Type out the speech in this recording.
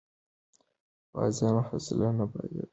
غازیانو حوصله نه بایله.